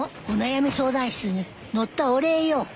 「お悩み相談室」に載ったお礼よ。